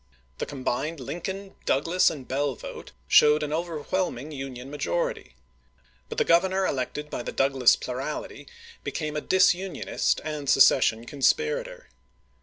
The combined Lin coln, Douglas, and Bell vote showed an over whelming Union majority; but the Grovernor elected by the Douglas plurality became a dis unionist and secession conspirator.